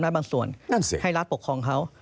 ในบางส่วนให้รัฐปกครองเขา